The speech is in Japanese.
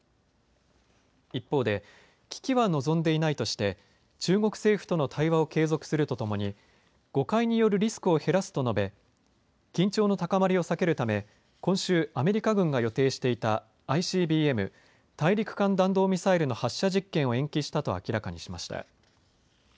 一方で、危機は望んでいないとして、中国政府との対話を継続するとともに、誤解によるリスクを減らすと述べ、緊張の高まりを避けるため、今週、アメリカ軍が予定していたＩＣＢＭ・大陸間弾道ミサイルの発射実験を延期したと明らかにしました。